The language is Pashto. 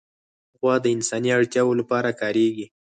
غوا د انساني اړتیاوو لپاره کارېږي.